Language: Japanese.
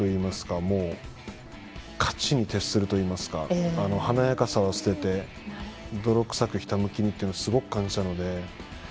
勝ちに徹すると言いますか華やかさを捨てて泥臭くひたむきにというのをすごく感じたので。